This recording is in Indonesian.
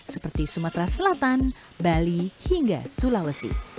seperti sumatera selatan bali hingga sulawesi